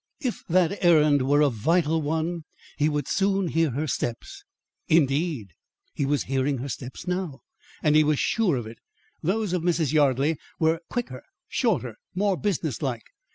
If that errand was a vital one, he would soon hear her steps; indeed, he was hearing her steps now he was sure of it. Those of Mrs. Yardley were quicker, shorter, more businesslike.